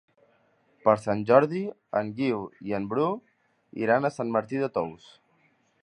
Per Sant Jordi en Guiu i en Bru iran a Sant Martí de Tous.